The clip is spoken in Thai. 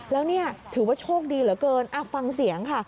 แล้วนี่ถือว่าโชคดีเหลือเกินฟังเสียงค่ะ